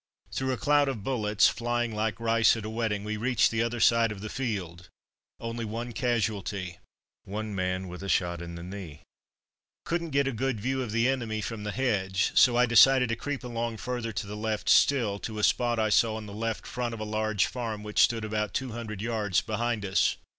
Through a cloud of bullets, flying like rice at a wedding, we reached the other side of the field. Only one casualty one man with a shot in the knee. Couldn't get a good view of the enemy from the hedge, so I decided to creep along further to the left still, to a spot I saw on the left front of a large farm which stood about two hundred yards behind us.